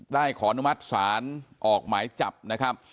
ขออนุมัติศาลออกหมายจับนะครับ